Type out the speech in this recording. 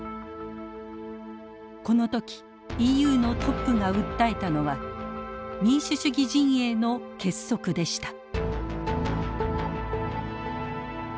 この時ＥＵのトップが訴えたのは民主主義陣営の結束でした。